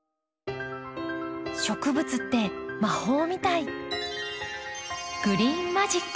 植物って魔法みたい。